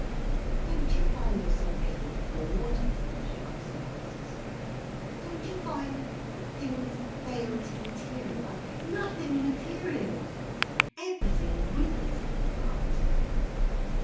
"Don't you find yourself getting bored?" she asked of her sister. "Don't you find, that things fail to materialize? Nothing materializes! Everything withers in the bud."